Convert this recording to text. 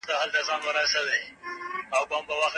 تاسو باید تحقیق وکړئ.